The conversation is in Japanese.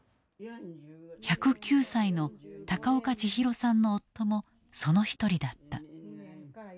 １０９歳の高岡千尋さんの夫もその一人だった。